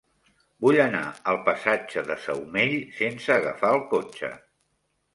Vull anar al passatge de Saumell sense agafar el cotxe.